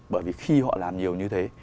bởi vì khi họ làm nhiều như thế